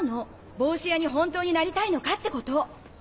帽子屋に本当になりたいのかってこと。